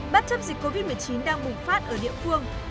bất chấp dịch covid một mươi chín đang bùng phát ở địa phương